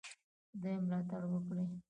خدای ملاتړ وکړی.